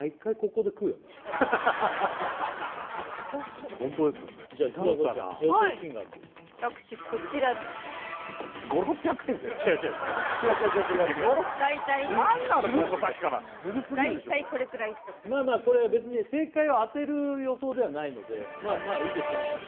これ大体これくらいまあまあこれ別に正解を当てる予想ではないのでまあまあいいでしょ